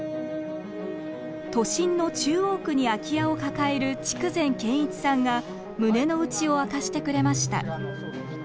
都心の中央区に空き家を抱える筑前賢一さんが胸の内を明かしてくれました。